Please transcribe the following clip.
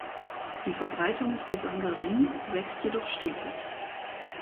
Die Verbreitung ist bislang gering, wächst jedoch stetig.